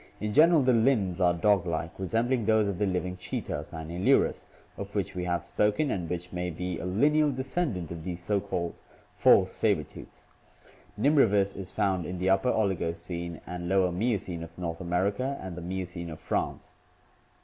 In general, the limbs are dog like, resembling those of the living cheeta {Cynalurus) of which we have spoken and which may be a lineal descendant of these so called "false saber tooths." Nimravus is found in the Upper Oligocene and Lower Miocene of North America and the Miocene of France.